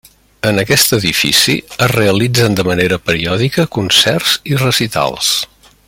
En aquest edifici es realitzen de manera periòdica concerts i recitals.